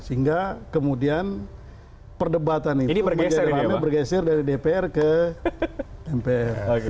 sehingga kemudian perdebatan itu bergeser dari dpr ke mpr